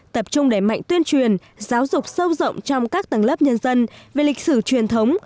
tập trung đẩy mạnh tuyên truyền giáo dục sâu rộng trong các tầng lớp nhân dân về lịch sử truyền thống